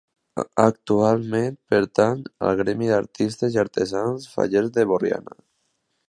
Actualment pertany al Gremi d'Artistes i Artesans Fallers de Borriana.